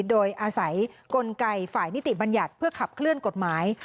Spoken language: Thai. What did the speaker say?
โดยอาศัยกลไกฝ่ายนิติบัญญัติเพื่อขับเคลื่อนกฎหมาย